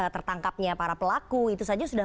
tertangkapnya para pelaku itu saja sudah